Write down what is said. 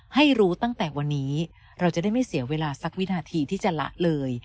ให้รู้ตั้งแต่วันนี้เราจะได้ไม่เสียเวลาสักวินาทีที่จะละเลย